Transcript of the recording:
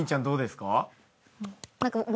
どうですか？